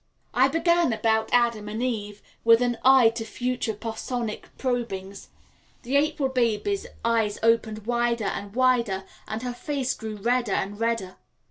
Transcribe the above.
I began about Adam and Eve, with an eye to future parsonic probings. The April baby's eyes opened wider and wider, and her face grew redder and redder.